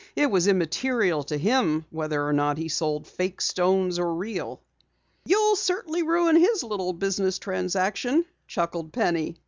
It was immaterial to him whether or not he sold fake stones or real." "You'll certainly ruin his little business transaction," chuckled Penny.